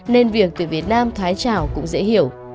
nên việc tuyển việt nam thoái trảo cũng dễ hiểu